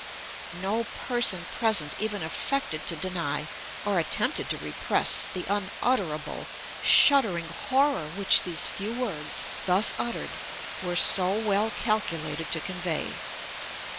No person present even affected to deny, or attempted to repress, the unutterable, shuddering horror which these few words, thus uttered, were so well calculated to convey.